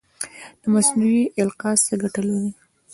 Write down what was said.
مصنوعي القاح څه ګټه لري؟